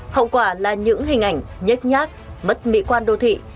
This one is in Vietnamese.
hậu quả là những hình ảnh nhét nhát mất mỹ quan đô thị